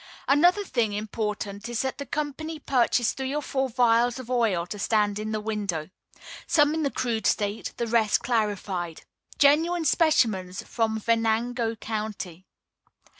Another thing important is that the company purchase three or four vials of oil to stand in the window some in the crude state, the rest clarified. Genuine specimens from Venango County.